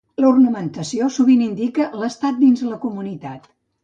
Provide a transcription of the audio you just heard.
L'ornamentació sovint indicava l'estat dins la comunitat.